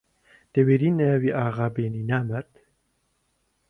دەوێری ناوی ئاغا بێنی نامەرد!